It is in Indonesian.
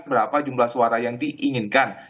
berapa jumlah suara yang diinginkan